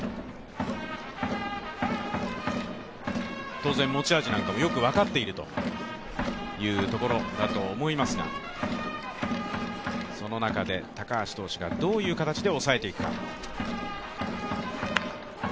当然持ち味なんかもよく分かっているというところだと思いますがその中で高橋投手がどういう形で抑えていくか。